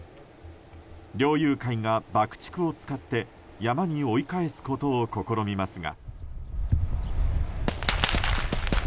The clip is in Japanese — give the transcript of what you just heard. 猟友会が爆竹を使って山に追い返すことを試みますが。